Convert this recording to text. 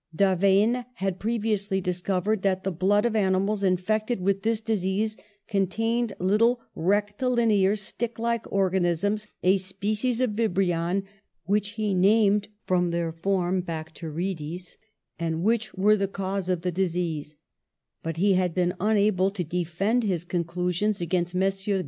Da vaine had previously discovered that the blood of animals infected with this disease contained little rectilinear, stick like organisms, a species of vibrion which he named from their form bacterides, and which were the cause of the dis ease : but he had been unable to defend his con clusions against Messrs.